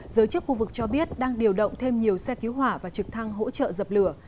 giới chức khu vực cho biết đang điều động thêm nhiều xe cứu hỏa và trực thăng hỗ trợ dập lửa